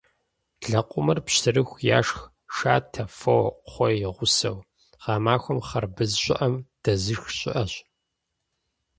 Лэкъумыр пщтыру яшх, шатэ, фо, кхъуей и гъусэу. Гъэмахуэм хъарбыз щӏыӏэм дэзышх щыӏэщ.